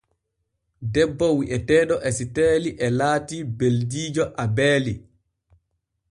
Debbo wi’eteeɗo Esiteeli e laati beldiijo Abeeli.